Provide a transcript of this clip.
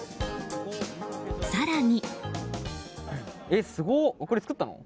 更に。